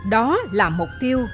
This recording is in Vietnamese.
đó là mục tiêu